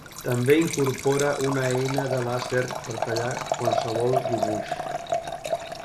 També incorpora una eina de làser per tallar qualsevol dibuix.